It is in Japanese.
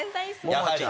やはり。